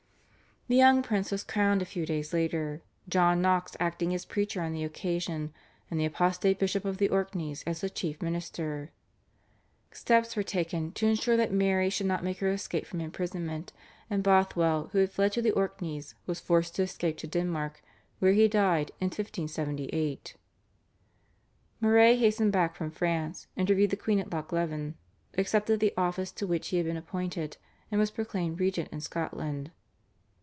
The young prince was crowned a few days later, John Knox acting as preacher on the occasion, and the apostate Bishop of the Orkneys as the chief minister. Steps were taken to ensure that Mary should not make her escape from imprisonment, and Bothwell who had fled to the Orkneys was forced to escape to Denmark, where he died in 1578. Moray hastened back from France, interviewed the queen at Loch Leven, accepted the office to which he had been appointed, and was proclaimed regent in Scotland.